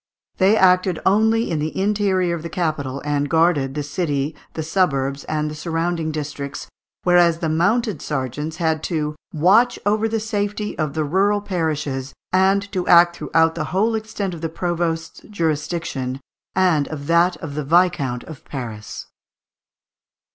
They acted only in the interior of the capital, and guarded the city, the suburbs, and the surrounding districts, whereas the mounted sergeants had "to watch over the safety of the rural parishes, and to act throughout the whole extent of the provost's jurisdiction, and of that of the viscount of Paris."